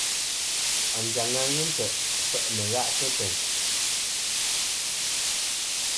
Anjaŋ-a ghɨ nt̀' i fe'nɨ gha' kɨ teyn.